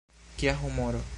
Kia humoro!